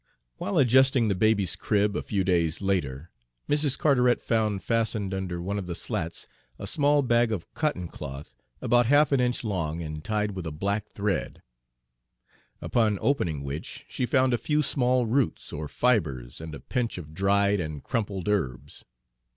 While adjusting the baby's crib, a few days later, Mrs. Carteret found fastened under one of the slats a small bag of cotton cloth, about half an inch long and tied with a black thread, upon opening which she found a few small roots or fibres and a pinch of dried and crumpled herbs.